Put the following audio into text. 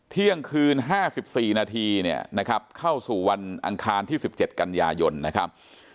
เที่ยงคืน๕๔นาทีเข้าสู่วันอังคารที่๑๗กันยายนนะครับ